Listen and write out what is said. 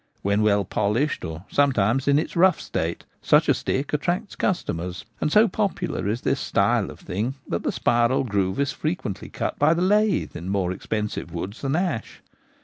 When well polished, or sometimes in its rough state, such a stick attracts customers ; and so popular is this ' style ' of thing that the spiral groove is frequently cut by the lathe in more expensive woods than ash.